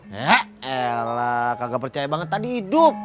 he elah gak percaya banget tadi hidup